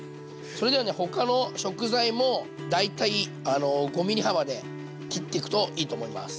それではね他の食材も大体５ｍｍ幅で切っていくといいと思います。